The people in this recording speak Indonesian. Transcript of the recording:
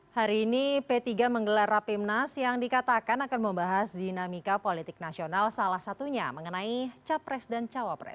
hari ini p tiga menggelar rapimnas yang dikatakan akan membahas dinamika politik nasional salah satunya mengenai capres dan cawapres